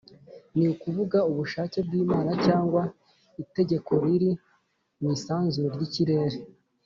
ni ukuvuga ubushake bw’imana cyangwa itegeko riri mu isanzure ry’ikirere,